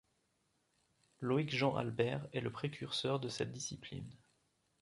Loïc Jean-Albert est le précurseur de cette discipline.